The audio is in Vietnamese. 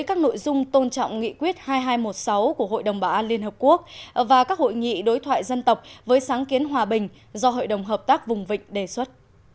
các nội dung tôn trọng nghị quyết hai nghìn hai trăm một mươi sáu của hội đồng bảo an liên hợp quốc và các hội nghị đối thoại dân tộc với sáng kiến hòa bình do hội đồng hợp tác vùng vịnh đề xuất